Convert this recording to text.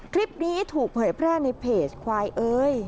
คลิปนี้ถูกเผยแพร่ในเพจควายเอ้ย